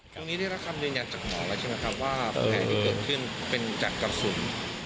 ตรงนี้ได้รับคำยืนยันจากหมอแล้วใช่ไหมครับว่าแผลที่เกิดขึ้นเป็นจากกระสุน